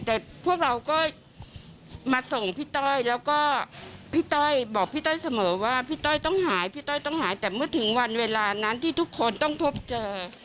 แต่พวกเราก็มาส่งพี่ต้อยแล้วก็พี่ต้อยบอกพี่ต้อยเสมอว่าพี่ต้อยต้องหายพี่ต้อยต้องหายแต่เมื่อถึงวันเวลานั้นที่ทุกคนต้องพบเจอ